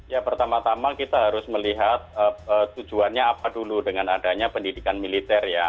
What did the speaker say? ya pertama tama kita harus melihat tujuannya apa dulu dengan adanya pendidikan militer ya